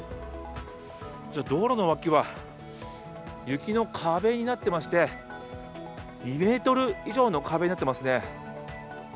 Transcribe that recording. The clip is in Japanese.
道路の脇は雪の壁になっていまして、２ｍ以上の壁になっていますね。